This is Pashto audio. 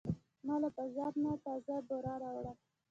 ما له بازار نه تازه بوره راوړه.